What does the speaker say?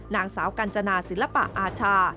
นางสาวกัญจนาศิลปะอาชา